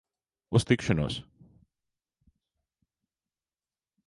Uz tikšanos!